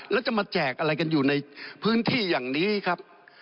แล้วจะมาแจกอะไรกันอยู่ในพื้นที่อย่างนี้ครับ